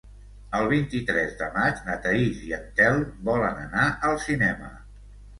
El vint-i-tres de maig na Thaís i en Telm volen anar al cinema.